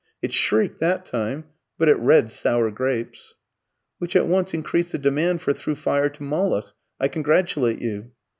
It shrieked that time, but it read 'Sour Grapes.'" "Which at once increased the demand for 'Through Fire to Moloch.' I congratulate you."